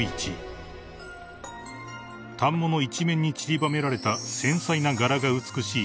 ［反物一面にちりばめられた繊細な柄が美しい］